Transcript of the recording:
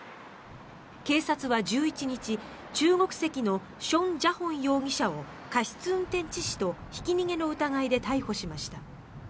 警察は１１日、中国籍のション・ジャホン容疑者を過失運転致死とひき逃げの疑いで逮捕しました。